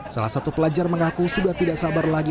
salah satu pelajar mengaku sudah tidak sabar lagi